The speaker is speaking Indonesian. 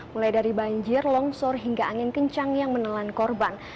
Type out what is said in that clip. mulai dari banjir longsor hingga angin kencang yang menelan korban